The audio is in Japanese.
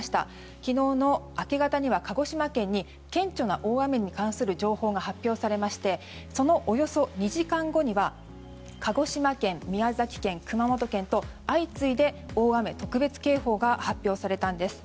昨日の明け方には鹿児島県に顕著な大雨に関する情報が発表されましてそのおよそ２時間後には鹿児島県、宮崎県、熊本県と相次いで大雨特別警報が発表されたんです。